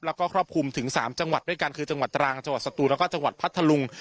แล้วก็ครอบคลุมถึง๓จังหวัดด้วยกันคือจังหวัดตรังจังหวัดสตูนแล้วก็จังหวัดพัทธลุง